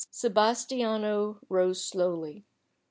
Sebastiano rose slowly.